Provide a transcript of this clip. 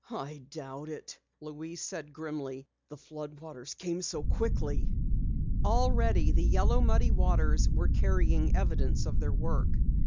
"I doubt it," Louise said grimly. "The flood came so quickly." Already the yellow, muddy waters were carrying evidence of their work.